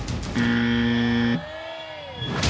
อืม